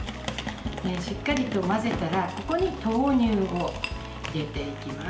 しっかりと混ぜたらここに豆乳を入れていきます。